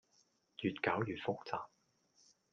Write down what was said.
越攪越複雜